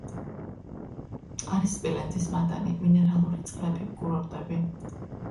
არის სპილენძის მადანი, მინერალური წყლები, კურორტები.